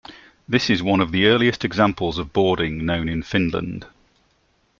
This is one of the earliest examples of boarding known in Finland.